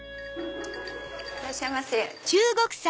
いらっしゃいませ。